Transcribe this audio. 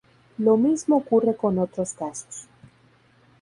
Lo mismo ocurre con otros casos.